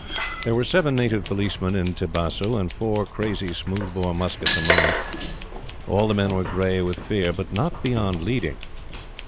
There were seven native policemen in Tibasu, and four crazy smooth bore muskets among them. All the men were gray with fear, but not beyond leading.